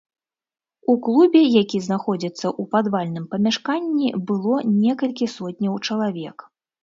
У клубе, які знаходзіцца ў падвальным памяшканні, было некалькі сотняў чалавек.